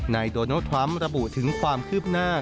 โดนัลดทรัมป์ระบุถึงความคืบหน้า